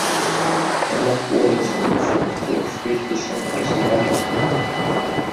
Danach wurde es in den Flakturm Friedrichshain ausgelagert.